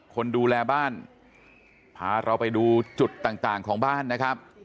คนดูแลบ้านพาเราไปดูจุดต่างต่างของบ้านนะครับ